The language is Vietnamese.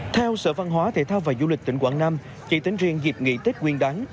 theo sở văn hóa thể thao và du lịch tỉnh quảng nam chỉ tính riêng dịp nghỉ tết nguyên đáng